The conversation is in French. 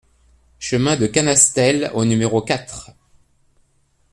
Chemin de Canastelle au numéro quatre